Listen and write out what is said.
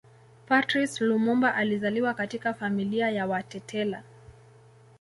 Patrice Lumumba alizaliwa katika familia ya Watetela